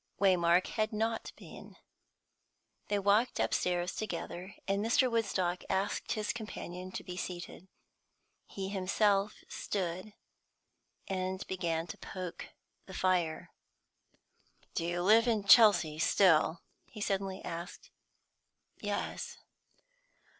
Waymark had not been. They walked upstairs together, and Mr. Woodstock asked his companion to be seated. He himself stood, and began to poke the fire. "Do you live in Chelsea still?" he suddenly asked. "Yes."